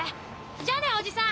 じゃあねおじさん。